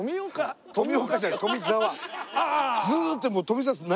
ずーっと。